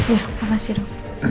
ya terima kasih do